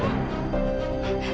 apa apaan sih kamu